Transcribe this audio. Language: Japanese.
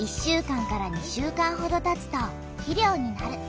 １週間２週間ほどたつと肥料になる。